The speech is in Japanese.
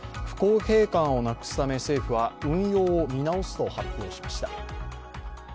不公平感をなくすため政府は運用を見直すと発表しました。